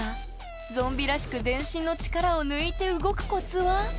ゾンビらしく全身の力を抜いて動くコツは？